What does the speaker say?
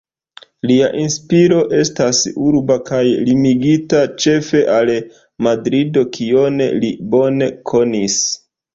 Lia inspiro estas urba kaj limigita ĉefe al Madrido kion li bone konis.